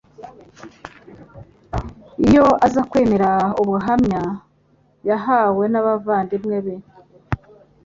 iyo aza kwemera ubuhamya yahawe n'abavandimwe be.